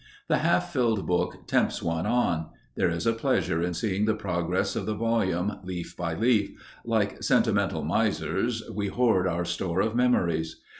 The half filled book tempts one on; there is a pleasure in seeing the progress of the volume, leaf by leaf; like sentimental misers, we hoard our store of memories.